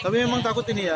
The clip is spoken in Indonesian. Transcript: tapi memang takut ini ya